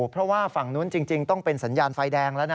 เพราะว่าฝั่งนู้นจริงต้องเป็นสัญญาณไฟแดงแล้วนะ